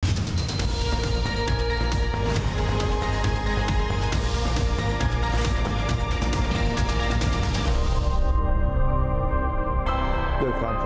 ด้วยความเคารพนะครับพวกเราฆราวะเนี่ยเสียคนมานานแล้ว